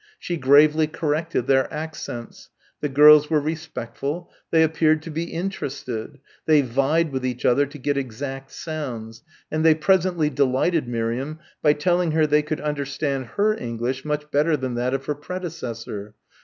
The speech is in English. She gravely corrected their accents. The girls were respectful. They appeared to be interested. They vied with each other to get exact sounds; and they presently delighted Miriam by telling her they could understand her English much better than that of her predecessor.